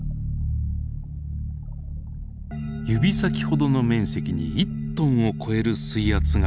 指先ほどの面積に１トンを超える水圧がかかる世界。